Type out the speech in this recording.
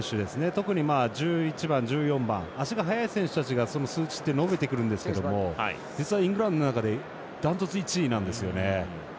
特に１１番、１４番足が速い選手たちがその数字って伸びてくるんですけど実はイングランドの中でダントツ１位なんですよね。